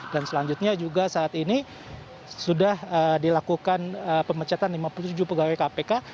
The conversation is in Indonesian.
dan selanjutnya juga saat ini sudah dilakukan pemecatan lima puluh tujuh pegawai kpk